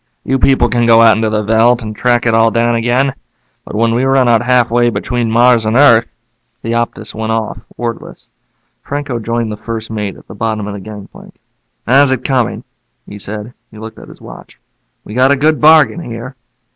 You people can go out into the veldt and track it all down again. But when we run out halfway between Mars and Earth " The Optus went off, wordless. Franco joined the first mate at the bottom of the gangplank. "How's it coming?" he said. He looked at his watch. "We got a good bargain here."